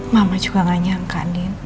mama juga gak nyangka